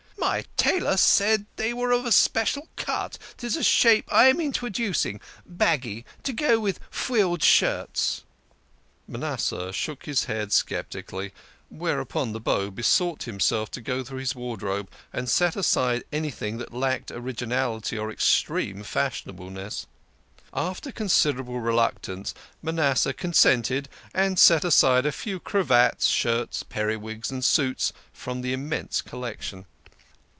" My tailor said they were of a special cut 'tis a shape I am introducing, baggy to go with frilled shirts." Manasseh shook his head sceptically, whereupon the Beau besought him to go through his wardrobe, and set aside anything that lacked originality or extreme fashionable 146 THE KING OF SCHNORRERS. ness. After considerable reluctance Manasseh consented, and set aside a few cravats, shirts, periwigs, and suits from the immense collection.